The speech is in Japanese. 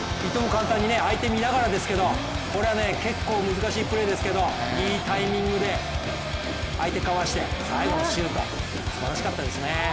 簡単に相手を見ながらですけどこれは結構難しいプレーですけどいいタイミングで相手かわして、最後はシュートすばらしかったですね。